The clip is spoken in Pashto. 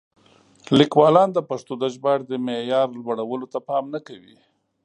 لیکوالان د پښتو د ژباړې د معیار لوړولو ته پام نه کوي.